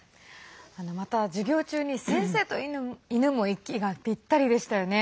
また授業中に先生と犬も息がぴったりでしたよね。